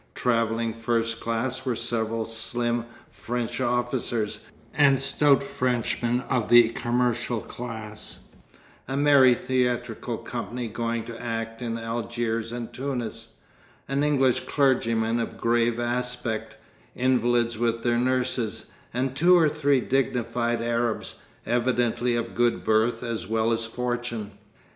Travelling first class were several slim French officers, and stout Frenchmen of the commercial class; a merry theatrical company going to act in Algiers and Tunis; an English clergyman of grave aspect; invalids with their nurses, and two or three dignified Arabs, evidently of good birth as well as fortune.